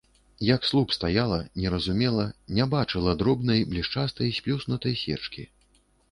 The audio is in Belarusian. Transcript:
Як слуп стаяла, не разумела, не бачыла дробнай блішчастай сплюснутай сечкі.